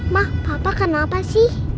ma papa kenapa sih